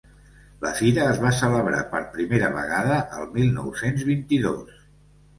La fira es va celebrar per primera vegada el mil nou-cents vint-i-dos.